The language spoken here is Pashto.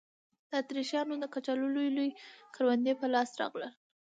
د اتریشیانو د کچالو لوی لوی کروندې په لاس راغلل.